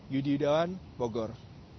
yudi yudawan bogor